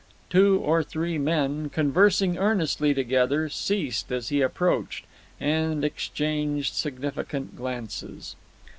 Two or three men, conversing earnestly together, ceased as he approached, and exchanged significant glances.